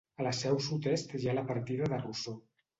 Al seu sud-est hi ha la partida de Rossor.